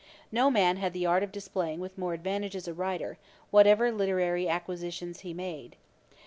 No man had the art of displaying with more advantage as a writer, whatever literary acquisitions he made.